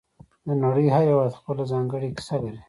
د نړۍ هر هېواد خپله ځانګړې کیسه لري